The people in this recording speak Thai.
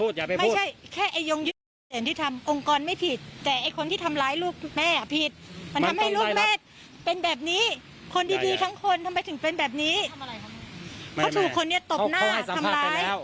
ทำอะไรครับเขาถูกคนเนี้ยตบหน้าเขาให้สัมภาษณ์ไปแล้ว